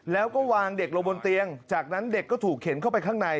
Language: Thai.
แล้วก็วางเด็กลงบนเตียงจากนั้นเด็กก็ถูกเข็นเข้าไปข้างใน